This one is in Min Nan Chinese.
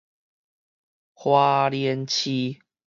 花蓮市